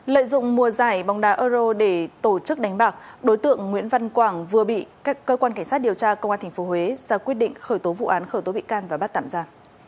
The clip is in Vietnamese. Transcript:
lợi dụng mùa giải bóng đá euro để tổ chức đánh bạc đối tượng nguyễn văn quảng vừa bị các cơ quan cảnh sát điều tra công an tp huế ra quyết định khởi tố vụ án khởi tố bị can và bắt tạm ra